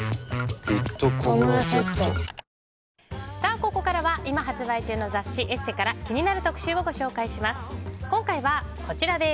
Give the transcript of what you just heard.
ここからは、今発売中の雑誌「ＥＳＳＥ」から気になる特集をご紹介します。